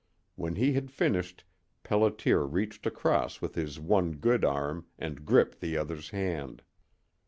When he had finished Pelliter reached across with his one good arm and gripped the other's hand.